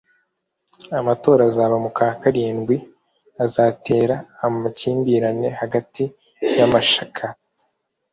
Amatora azaba mu kw’ akarindwi azatera amakimbirane hagati y’ amashaka